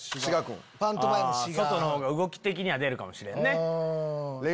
外のほうが動きは出るかもしれんね。